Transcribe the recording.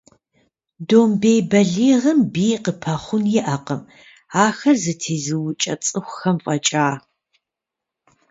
Домбей бэлигъым бий къыпэхъун иӏэкъым, ахэр зэтезыукӏэ цӏыхухэм фӏэкӏа.